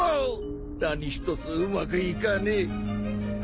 何一つうまくいかねえ。